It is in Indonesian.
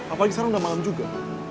apalagi sekarang gak malem juga